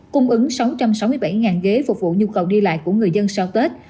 cung ứng sáu trăm sáu mươi bảy ghế phục vụ nhu cầu đi lại của người dân sau tết